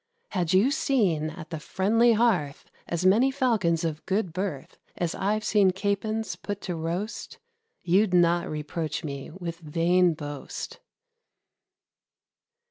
Had you seen at the friendly hearth As many Falcons of good birth As I've seen Capons put to roast, You'd not reproach me with vain boast."